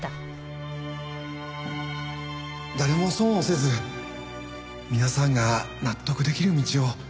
誰も損をせず皆さんが納得できる道を。